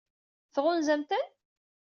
Tɣunzam-ten?